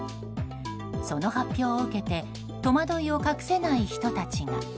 その発表を受けて戸惑いを隠せない人たちも。